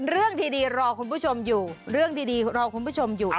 เรื่องดีรอคุณผู้ชมอยู่